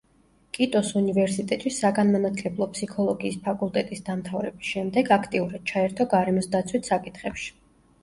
კიტოს უნივერსიტეტში საგანმანათლებლო ფსიქოლოგიის ფაკულტეტის დამთავრების შემდეგ, აქტიურად ჩაერთო გარემოსდაცვით საკითხებში.